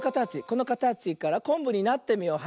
このかたちからこんぶになってみよう。